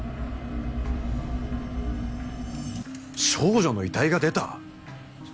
少女の遺体が出た！？